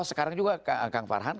sekarang juga kang farhan